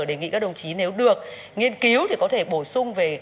để nghĩ các đồng chí nếu được nghiên cứu thì có thể bổ sung về